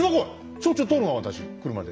しょっちゃう通るな私車で。